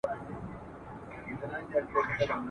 جهاني دلته یو رنګي ده د کېمیا په بیه ..